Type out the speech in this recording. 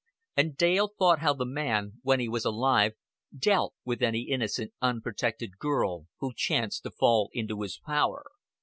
And Dale thought how the man, when he was alive, dealt with any innocent unprotected girl who chanced to fall into his power.